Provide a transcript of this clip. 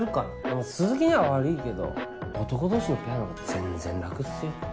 鈴木には悪いけど男同士のペアのほうが全然楽っすよ。